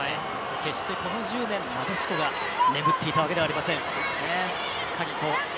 決して、この１０年なでしこが眠っていたわけではありません。